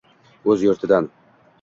O’z yurtidan